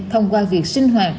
thông qua việc sinh hoạt